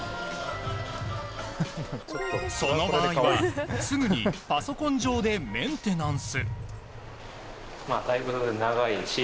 その場合は、すぐにパソコン上でメンテナンス。